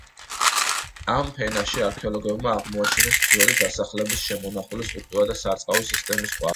ამ ფენაში არქეოლოგებმა აღმოაჩინეს ძველი დასახლების შემონახული სტრუქტურა და სარწყავი სისტემის კვალი.